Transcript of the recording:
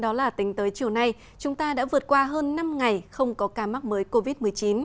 đó là tính tới chiều nay chúng ta đã vượt qua hơn năm ngày không có ca mắc mới covid một mươi chín